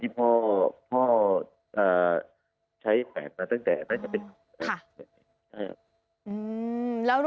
ค่ะ